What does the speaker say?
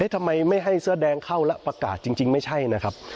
ทำไมไม่ให้เสื้อแดงเข้าแล้วประกาศจริงไม่ใช่นะครับ